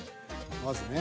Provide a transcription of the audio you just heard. まずね。